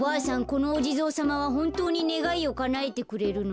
このおじぞうさまはほんとうにねがいをかなえてくれるの？